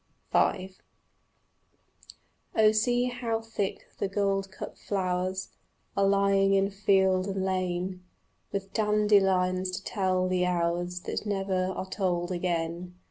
V Oh see how thick the goldcup flowers Are lying in field and lane, With dandelions to tell the hours That never are told again.